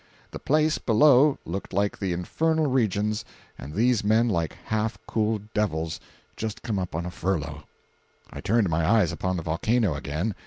The place below looked like the infernal regions and these men like half cooled devils just come up on a furlough. I turned my eyes upon the volcano again.